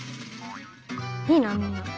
いいなみんな。